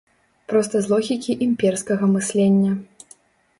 Проста з логікі імперскага мыслення.